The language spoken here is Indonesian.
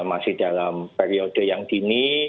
masih dalam periode yang dini